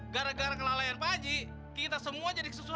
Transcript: gara gara kelalaian pak haji kita semua jadi kesusahan